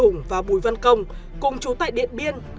hùng và bùi văn công cùng chú tại điện biên